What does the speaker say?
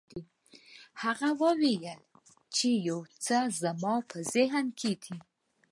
هغه وویل چې یو څه زما په ذهن کې دي.